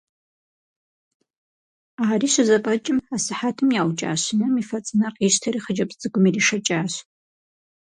Ари щызэфӏэкӏым асыхьэтым яукӏа щынэм и фэ цӏынэр къищтэри хъыджэбз цӏыкӏум иришэкӏащ.